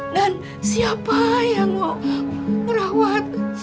dan siapa yang ngerawat